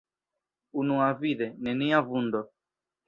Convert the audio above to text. Unuavide, nenia vundo.